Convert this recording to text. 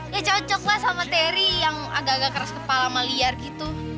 ya cocok lah sama teri yang agak agak keras kepala sama liar gitu